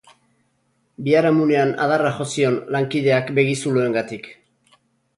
Biharamunean adarra jo zion lankideak begizuloengatik.